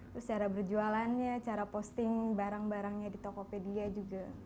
terus cara berjualannya cara posting barang barangnya di tokopedia juga